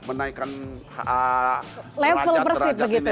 menaikan level persib begitu ya